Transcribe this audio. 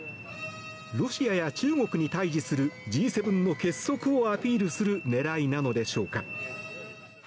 ロシアや中国に対峙するＧ７の結束をアピールする狙いなのでしょうか。